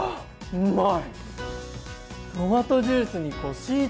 うまい！